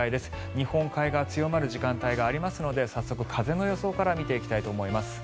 日本海側、強まる時間帯がありますので早速風の予想から見ていきたいと思います。